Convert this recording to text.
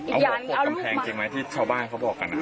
เอาหัวโขกกำแพงจริงไหมที่ชาวบ้านเขาบอกกัน